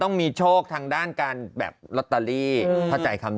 เอาอีกล่ะงูเขียวเต้นระบำ